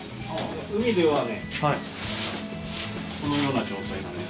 海ではねこのような状態なんです。